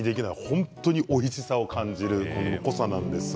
本当に、おいしさを感じる濃さなんですが。